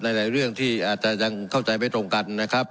หลายเรื่องที่อาจจะยังเข้าใจไม่ตรงกันนะครับ